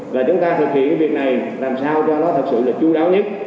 và chúng ta thực hiện cái việc này làm sao cho nó thật sự là chú đáo nhất